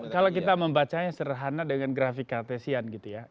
kalau kita membacanya serhana dengan grafik cartesian gitu ya